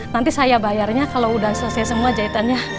nanti saya bayarnya kalo udah selesai semua jahitannya